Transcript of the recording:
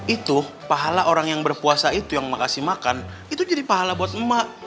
itu pahala orang yang berpuasa itu yang mau kasih makan itu jadi pahala buat emak